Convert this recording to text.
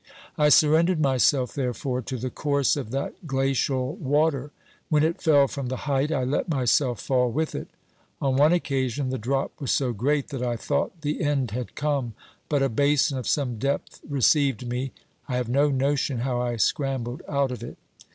I surrendered myself, therefore, to the course of that glacial water. When it fell from the height, I let myself fall with it. On one occasion the drop was so great that I thought the end had come, but a basin of some depth received me. I have no notion how I scrambled out of it.